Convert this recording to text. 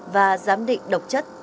và giám định độc chất